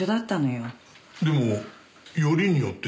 でも「よりによって」